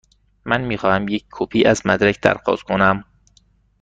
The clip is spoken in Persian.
من می خواهم یک کپی از مدرک درخواست کنم.